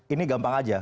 ini gampang aja